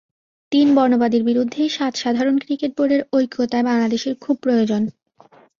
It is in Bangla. তিন বর্ণবাদীর বিরুদ্ধে সাত সাধারণ ক্রিকেট বোর্ডের ঐক্য তাই বাংলাদেশের খুব প্রয়োজন।